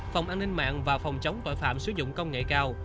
phòng an ninh mạng và phòng chống tội phạm sử dụng công nghệ cao